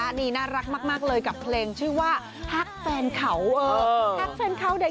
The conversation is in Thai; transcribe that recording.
แต่ถ่ายบอกเลยว่าเราก็ระชอ๑๙๖๙เกี่ยวกับปี๑๙๗๔